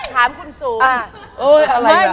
ทำซูน